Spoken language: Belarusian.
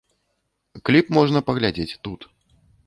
Кліп можна паглядзець тут.